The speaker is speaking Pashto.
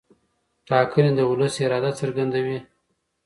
ټاکنې د ولس اراده څرګندوي